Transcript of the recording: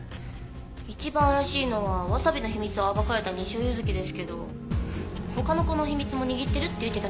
一番怪しいのはわさびの秘密を暴かれた西尾ユズキですけど他の子の秘密も握ってるって言ってたみたいだから。